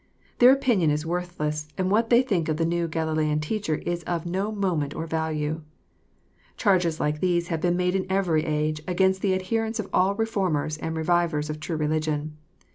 Their opinion is worthless, and what they think of the new Galilean teacher is of no moment or value. — Charges like these have been made in every age, against the adherents of all reformers and revivers of true religion.